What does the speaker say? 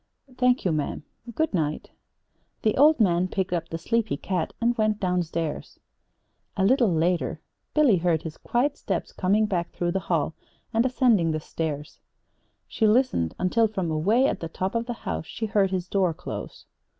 "Thank you, ma'am. Good night." The old man picked up the sleepy cat and went down stairs. A little later Billy heard his quiet steps coming back through the hall and ascending the stairs. She listened until from away at the top of the house she heard his door close.